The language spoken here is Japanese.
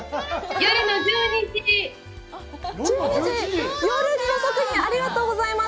夜遅くにありがとうございます。